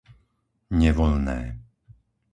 Nevoľné